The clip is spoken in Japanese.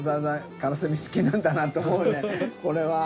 カラスミ好きなんだなと思うねこれは。